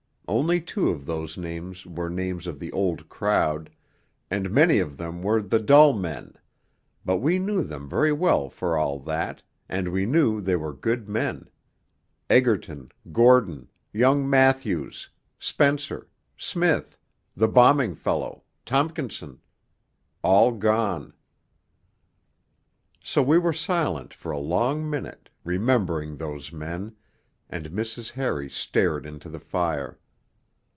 Only two of those names were names of the Old Crowd, and many of them were the dull men; but we knew them very well for all that, and we knew they were good men ... Egerton, Gordon, young Matthews, Spenser, Smith, the bombing fellow, Tompkinson all gone.... So we were silent for a long minute, remembering those men, and Mrs. Harry stared into the fire.